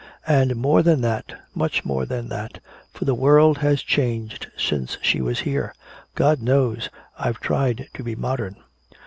And more than that much more than that for the world has changed since she was here. God knows I've tried to be modern."